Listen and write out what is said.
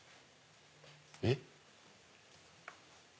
えっ？